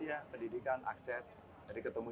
iya pendidikan akses jadi ketemu